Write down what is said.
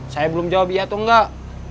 saya belum jawab dia atau enggak